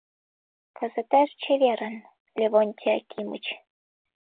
Кызытеш чеверын, Левонтий Акимыч!